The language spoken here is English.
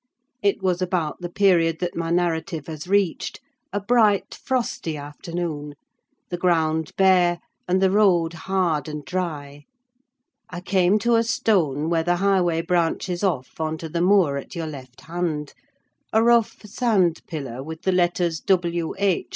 It was about the period that my narrative has reached: a bright frosty afternoon; the ground bare, and the road hard and dry. I came to a stone where the highway branches off on to the moor at your left hand; a rough sand pillar, with the letters W. H.